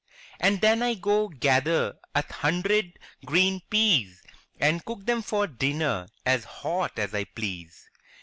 And then I go gather a hundred green peas, And cook them for dinner as hot as I please!